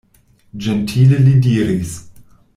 Ĝentile li diris: